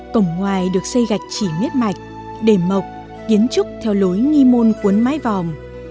cổng ngoài được xây gạch chỉ miết mạch đề mộc kiến trúc theo lối nghi môn cuốn mái vòm